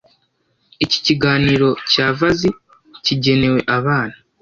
Iki kiganiro cya Vazi kigenewe abana.